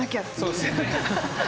そうですね。